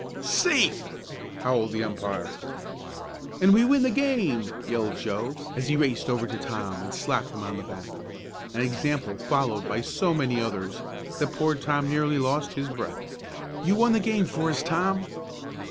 "Safe!" howled the umpire. "And we win the game!" yelled Joe, as he raced over to Tom and slapped him on the back, an example followed by so many others that poor Tom nearly lost his breath. "You won the game for us, Tom!"